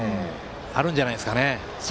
あるんじゃないですかね。